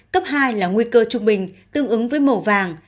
cấp hai là nguy cơ trung bình tương ứng với màu vàng